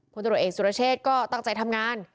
ผู้ถูกตัวเอกสุรเชษก็ตั้งใจทำงาน